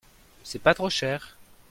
C'est pas trop cher.